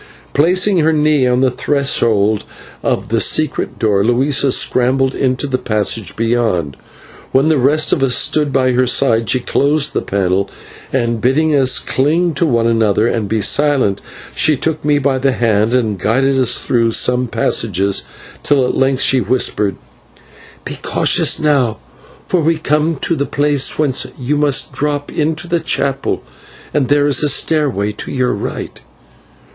Placing her knee on the threshold of the secret door, Luisa scrambled into the passage beyond. When the rest of us stood by her side, she closed the panel, and, bidding us cling to one another and be silent, she took me by the hand and guided us through some passages till at length she whispered: "Be cautious now, for we come to the place whence you must drop into the chapel, and there is a stairway to your right."